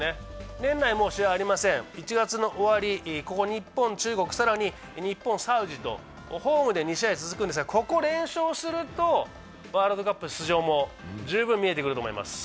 年内もう試合はありません、１月の終わり、ここ日本、中国、更に日本、サウジとホームで２試合続くんですが、連勝するとワールドカップ出場も十分見えてくると思います。